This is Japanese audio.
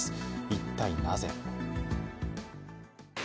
一体、なぜ。